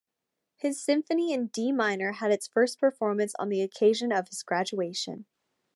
His symphony in D-minor had its first performance on the occasion of his graduation.